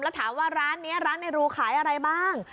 แล้วถามว่าร้านนี้ร้านในรูขายอะไรบ้าง